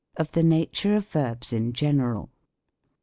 OF THE HATUKE OF VERBS IN GENERAL.